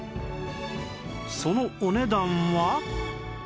そのお値段は